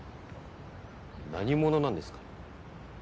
何者なんですか？